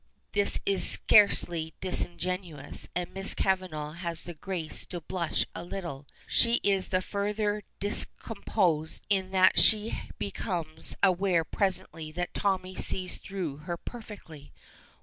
This is scarcely disingenuous, and Miss Kavanagh has the grace to blush a little. She is the further discomposed in that she becomes aware presently that Tommy sees through her perfectly.